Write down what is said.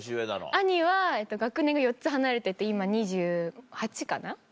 兄は学年が４つ離れてて今２８歳かな。